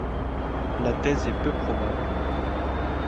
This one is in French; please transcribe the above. La thèse est peu probable.